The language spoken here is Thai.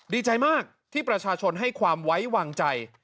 ดีใจมากที่ประชาชนให้ความไว้วางใจ